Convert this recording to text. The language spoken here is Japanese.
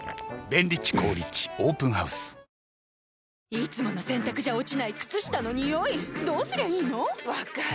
いつもの洗たくじゃ落ちない靴下のニオイどうすりゃいいの⁉分かる。